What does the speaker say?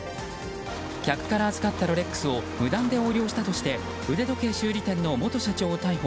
客から預からったロレックスを無断で横領したとして腕時計修理店の元社長を逮捕。